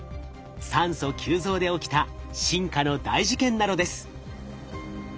酸素急増で起きた進化の大事件なのです。